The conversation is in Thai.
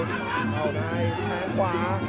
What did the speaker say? เข้าได้ถูกถางขวา